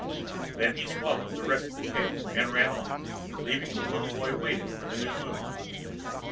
Then he swallowed the rest of the cake and ran off, leaving the little boy waiting for the new moon.